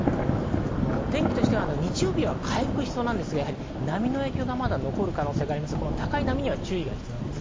天気としては日曜日は回復しそうですが波の影響が残る可能性があり高い波に注意が必要です。